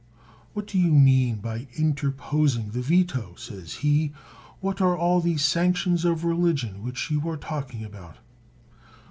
What do you mean by interposing the veto? says he ; what are all these sanctions of religion which you are talking about?